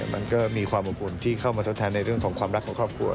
มันก็มีความอบอุ่นที่เข้ามาทดแทนในเรื่องของความรักของครอบครัว